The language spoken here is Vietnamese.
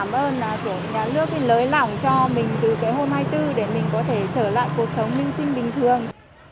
mình từ cái hôm hai mươi bốn để mình có thể trở lại cuộc sống minh sinh bình thường